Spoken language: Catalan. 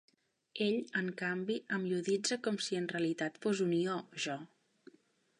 Ell en canvi, em ioditza com si en realitat fos un ió, jo.